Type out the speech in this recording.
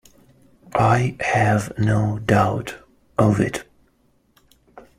I have no doubt of it.